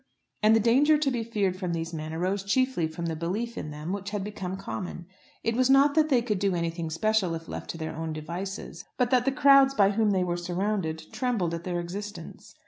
And the danger to be feared from these men arose chiefly from the belief in them which had become common. It was not that they could do anything special if left to their own devices, but that the crowds by whom they were surrounded trembled at their existence.